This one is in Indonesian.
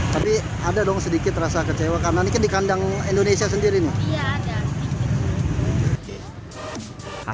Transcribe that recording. tapi ada dong sedikit rasa kecewa karena ini kan di kandang indonesia sendiri nih